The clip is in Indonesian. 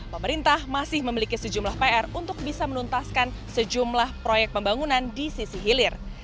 pemerintah masih memiliki sejumlah pr untuk bisa menuntaskan sejumlah proyek pembangunan di sisi hilir